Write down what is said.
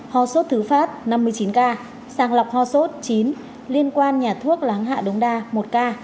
ho sốt thứ phát năm mươi chín ca sàng lọc ho sốt chín liên quan nhà thuốc láng hạ đống đa một ca